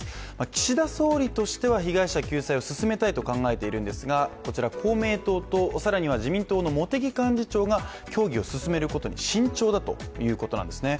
岸田総理としては被害者救済を進めたいと考えているんですがこちら公明党と、更には自民党の茂木幹事長が協議を進めることに慎重だということなんですね。